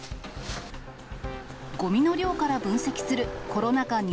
ごみの量から分析するコロナ禍